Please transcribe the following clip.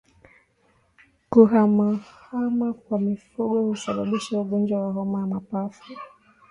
Kuhamahama kwa mifugo husababisha ugonjwa wa homa ya mapafu